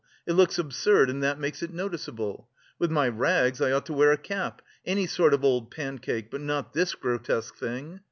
It looks absurd and that makes it noticeable.... With my rags I ought to wear a cap, any sort of old pancake, but not this grotesque thing.